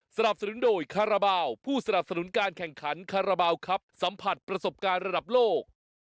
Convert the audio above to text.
สนับสนุนโดยคาราบาลผู้สนับสนุนการแข่งขันคาราบาลครับสัมผัสประสบการณ์ระดับโลก